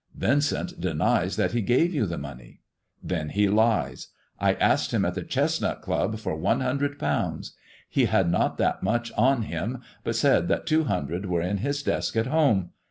" Yincent denies that he gave you the money !" Then he lies. I asked him at the Chestnut Club for one hundred pounds. He had not that much on him, but said that two hundred were in his desk at home.